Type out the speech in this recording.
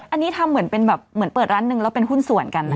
อันนี้ทำเหมือนเป็นแบบเหมือนเปิดร้านหนึ่งแล้วเป็นหุ้นส่วนกัน